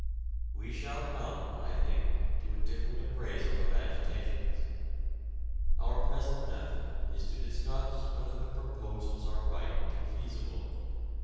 We shall come, I think, to a different appraisal of agitations. Our present method is to discuss whether the proposals are right and feasible.